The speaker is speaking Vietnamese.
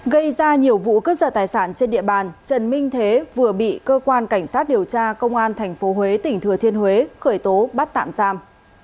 gây ra nhiều vụ cướp giật tài sản trên địa bàn trần minh thế vừa bị cơ quan cảnh sát điều tra công an tp huế tỉnh thừa thiên huế khởi tố bắt tạm giam